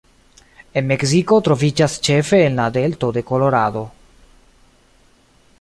En Meksiko troviĝas ĉefe en la delto de Kolorado.